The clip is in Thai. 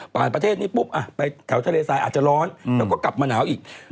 ประเทศนี้ปุ๊บไปแถวทะเลทรายอาจจะร้อนแล้วก็กลับมาหนาวอีก